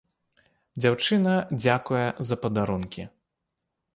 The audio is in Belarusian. Дзяўчына дзякуе за падарункі.